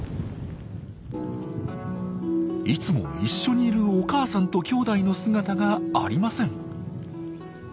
いつも一緒にいるお母さんときょうだいの姿がありません。